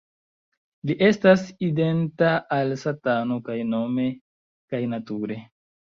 Li estas identa al Satano kaj nome kaj nature.